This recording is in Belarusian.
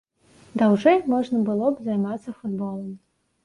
Даўжэй можна было б займацца футболам.